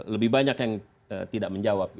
lebih banyak yang tidak menjawab